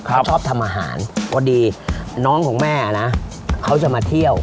เขาชอบทำอาหารพอดีน้องของแม่นะเขาจะมาเที่ยว